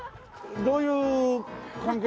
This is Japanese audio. どういう関係なの？